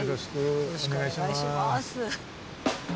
よろしくお願いします。